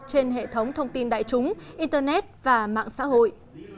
trên hệ thống thông tin đại chúng internet và mạng xã hội